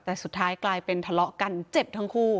แต่สุดท้ายกลายเป็นทะเลาะกันเจ็บทั้งคู่